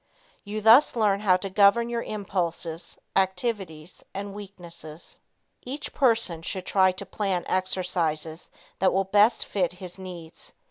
You thus learn how to govern your impulses, activities and weaknesses. Each person should try to plan exercises that will best fit his needs.